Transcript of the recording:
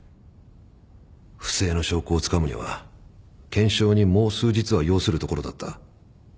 不正の証拠をつかむには検証にもう数日は要するところだった。